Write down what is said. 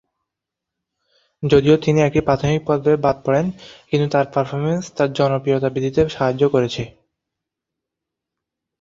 যদিও তিনি একটি প্রাথমিক পর্বে বাদ পড়েন, কিন্তু তার পারফরম্যান্স তার জনপ্রিয়তা বৃদ্ধিতে সাহায্য করেছে।